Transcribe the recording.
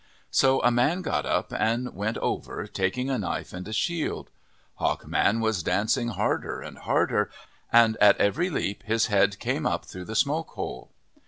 So a man got up and went over, taking a knife and a shield. Hawk Man was dancing harder and harder, and at every leap his head came up through the smoke hole.